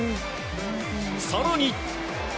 更に。